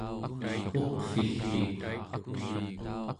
uqvigpik